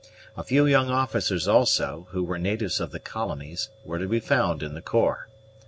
A few young officers also, who were natives of the colonies, were to be found in the corps.